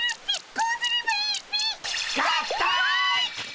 こうすればいいっピ！合体！